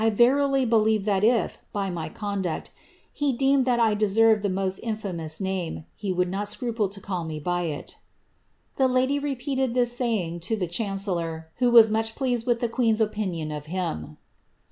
1 verily believe that if, by my conduct, he deemed that I deserved the j. most infamous name, he would not scruple to call me by it"' Tin .' lady repeated this saying to the chancellor, who was much pleased wilk ^^ the queen's opinion of him.